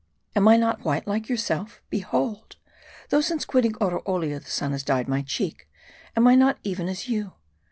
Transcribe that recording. Am I not white like yourself ? Behold, though since quitting Oroolia the sun has dyed my cheek, am I not even as you